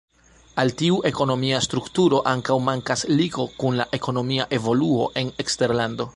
Al tiu ekonomia strukturo ankaŭ mankas ligo kun la ekonomia evoluo en eksterlando.